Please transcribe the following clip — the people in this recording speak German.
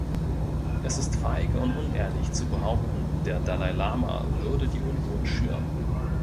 Es ist feige und unehrlich, zu behaupten, der Dalai Lama würde die Unruhen schüren.